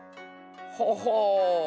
ほほう。